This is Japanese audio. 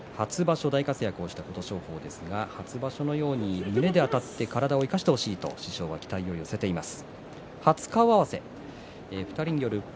初場所、大活躍した琴勝峰ですが初場所のように胸であたって体を生かしてほしいと話していました。